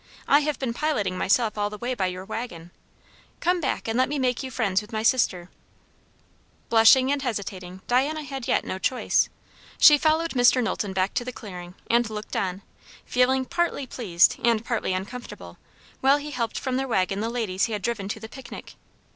I have been piloting myself all the way by your waggon. Come back and let me make you friends with my sister." Blushing and hesitating, Diana had yet no choice. She followed Mr. Knowlton back to the clearing, and looked on, feeling partly pleased and partly uncomfortable, while he helped from their waggon the ladies he had driven to the picnic.